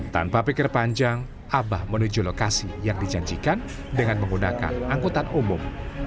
tanpa pikir panjang abah menuju lokasi yang dijanjikan dengan menggunakan angkutan umum